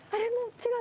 違う？